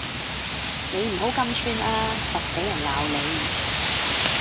你唔好咁串呀實畀人鬧你